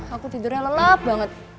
aku tidurnya lelap banget